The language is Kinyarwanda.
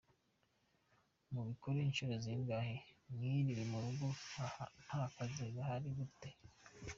mubikora inshuro zingahe mwiriwe murugo ntakazi?gahari byo gute?.